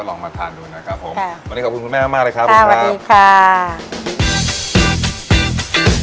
กลางคืนค่ะจะเป็นก๋วยเตี๋ยวกลางคืนนะค่ะอ่าก็มีวันหยุดไหมครับ